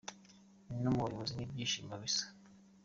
No mu bayobozi ni ibyshimo bisa.